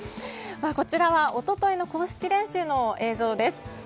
こちらは一昨日の公式練習の映像です。